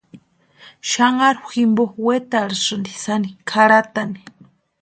Xanharu jimpo wetarhisïnti sáni kʼarhatani.